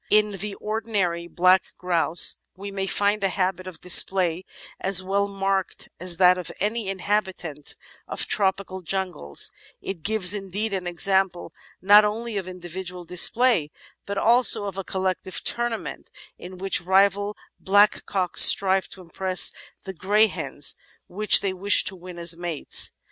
In the ordinary Black Grouse we may find a habit of display as well marked as that of any inhabitant of tropical jungles; it gives, indeed, an example not only of individual display but also of a collective "tournament" in which rival blackcocks strive to impress the greyhens which they wish to win as mates.